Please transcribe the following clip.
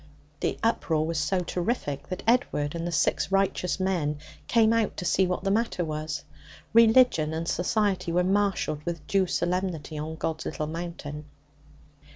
The uproar was so terrific that Edward and the six righteous men came out to see what the matter was. Religion and society were marshalled with due solemnity on God's Little Mountain.